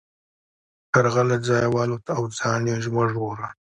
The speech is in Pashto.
کارغه له ځایه والوت او ځان یې وژغوره.